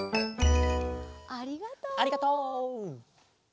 ありがとう。